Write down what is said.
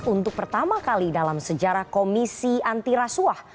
untuk pertama kali dalam sejarah komisi anti rasuah